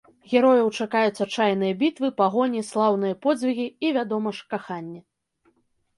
Герояў чакаюць адчайныя бітвы, пагоні, слаўныя подзвігі і, вядома ж, каханне.